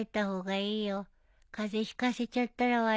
風邪ひかせちゃったら悪いから。